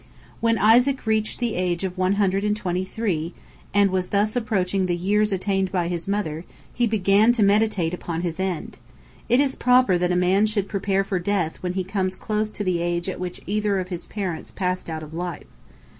When Isaac reached the age of one hundred and twenty three, and was thus approaching the years attained by his mother, he began to meditate upon his end. It is proper that a man should prepare for death when he comes close to the age at which either of his parents passed out of life.